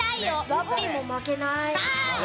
ラッピーも負けない！